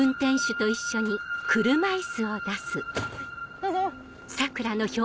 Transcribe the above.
どうぞ。